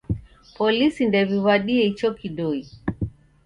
Polisi ndew'iw'adie icho kidoi.